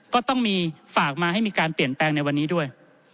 ก็ต้องมีฝากมาให้มีการเปลี่ยนแปลงในวันนี้ด้วย